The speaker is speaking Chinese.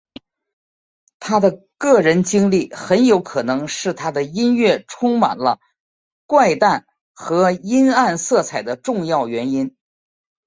他的个人经历很有可能是他音乐充满了怪诞和阴暗色彩的重要原因。